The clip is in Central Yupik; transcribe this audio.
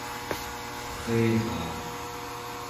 perriraa